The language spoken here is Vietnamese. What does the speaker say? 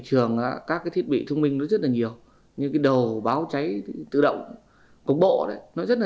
trường các cái thiết bị thông minh nó rất là nhiều như cái đầu báo cháy tự động cục bộ đấy nó rất là